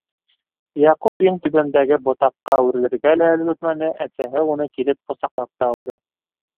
Яҡуп иң түбәндәге ботаҡҡа үрелергә лә өлгөрмәне, әсәһе уны килеп ҡосаҡлап та алды.